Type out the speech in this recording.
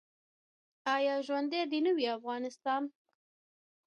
آیا ژوندی دې نه وي افغانستان؟